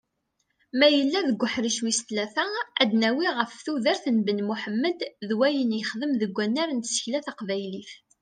Ma yella deg uḥric wis tlata, ad d-nawwi ɣef tudert n Ben Muḥemmed d wayen yexdem deg wunar n tsekla taqbaylit.